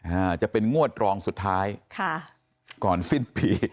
อ่าจะเป็นงวดรองสุดท้ายค่ะก่อนสิ้นปี